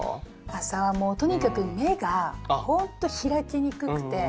朝はもうとにかく目がほんと開きにくくてむくんでます。